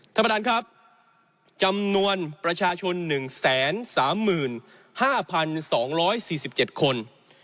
ท่านประธานครับจำนวนประชาชน๑๓๕๒๔๗คน